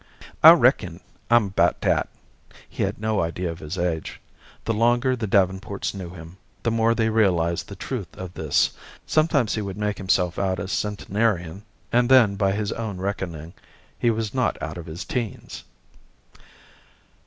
"I reckon, I'm 'bout dat." He had no idea of his age. The longer the Davenports knew him, the more they realized the truth of this. Sometimes he would make himself out a centenarian, and then, by his own reckoning, he was not out of his teens.